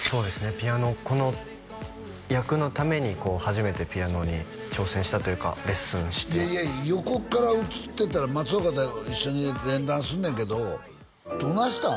ピアノこの役のために初めてピアノに挑戦したというかレッスンして横から映ってたら松岡と一緒に連弾すんねんけどどないしたん？